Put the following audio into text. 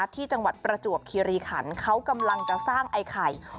ที่จังหวัดประจวบคิริขันเขากำลังจะสร้างไอ้ไข่